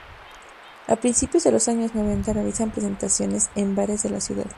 A principios de los años noventa realizan presentaciones en bares de la ciudad.